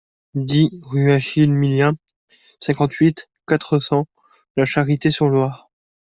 dix rue Achille Millien, cinquante-huit, quatre cents, La Charité-sur-Loire